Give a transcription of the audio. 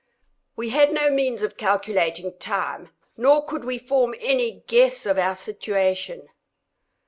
We had no means of calculating time, nor could we form any guess of our situation.